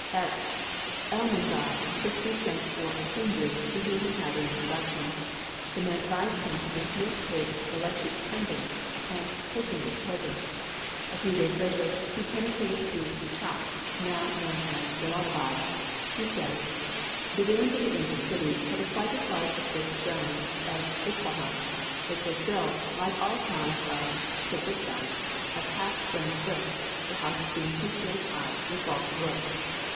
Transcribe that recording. At Elemdar Christie sent for a Hindu, to whom he had an introduction. This man advised him to dismiss his Belutchi attendants and to personate a pilgrim. A few days later he penetrated to Douchak, now known as Jellalabad. He says: "The ruins of the ancient city cover quite as large a space of ground as Ispahan. It was built, like all the towns of Sedjistan, of half burned bricks, the houses being two stories high, with vaulted roofs.